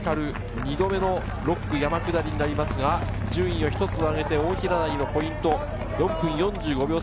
２度目の６区山下り、順位を一つ上げて大平台のポイント、４分４５秒差。